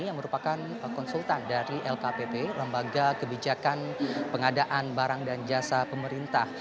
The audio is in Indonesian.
yang merupakan konsultan dari lkpp lembaga kebijakan pengadaan barang dan jasa pemerintah